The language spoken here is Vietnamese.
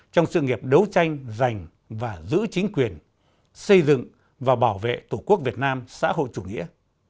trong sự nghiệp đấu tranh giành và giữ chính quyền xây dựng và bảo vệ tổ quốc việt nam xã hội chủ nghĩa